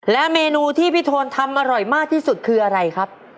เมนูที่พี่โทนทำอร่อยมากที่สุดคืออะไรครับ